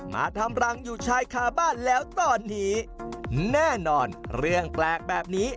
มาทำรังอยู่ชายคาบ้านแล้วตอนนี้แน่นอนเรื่องแปลกแบบนี้